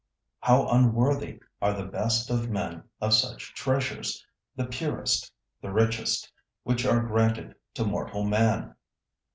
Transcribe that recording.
How unworthy are the best of men of such treasures—the purest, the richest, which are granted to mortal man!